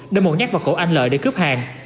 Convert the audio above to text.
đưa một nhắc vào cổ anh lợi để cướp hàng